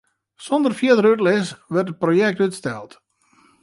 Sûnder fierdere útlis wurdt it projekt útsteld.